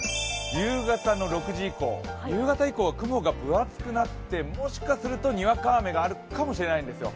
夕方の６時以降、夕方以降は雲が分厚くなって、もしかするとにわか雨があるかもしれないんですよ。